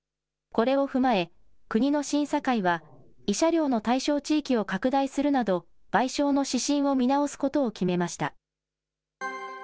これを踏まえ、国の審査会は、慰謝料の対象地域を拡大するなど、賠償の指針を見直すことを決めました。